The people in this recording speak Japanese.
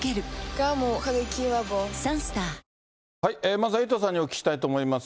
まずはエイトさんにお聞きしたいと思います。